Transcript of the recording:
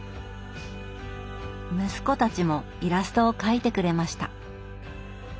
息子たちもイラストを描いてくれました。